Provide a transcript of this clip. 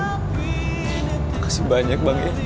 makasih banyak bang